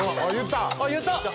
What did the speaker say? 言った！